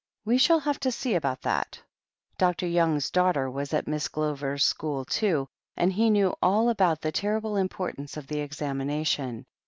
We shall have to see about that." Dr. Young's daughter was at Miss Glover's school, too, and he knew all about the terrible importance of the examination.